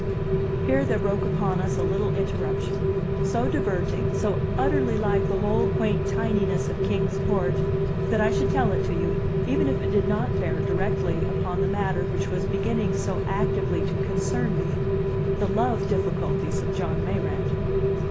Here there broke upon us a little interruption, so diverting, so utterly like the whole quaint tininess of Kings Port, that I should tell it to you, even if it did not bear directly upon the matter which was beginning so actively to concern me the love difficulties of John Mayrant.